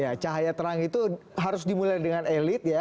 ya cahaya terang itu harus dimulai dengan elit ya